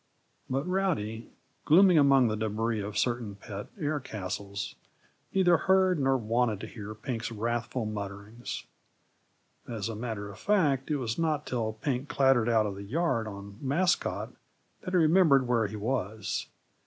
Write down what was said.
But Rowdy, glooming among the debris of certain pet air castles, neither heard nor wanted to hear Pink's wrathful mutterings. As a matter of fact, it was not till Pink clattered out of the yard on Mascot that he remembered where he was.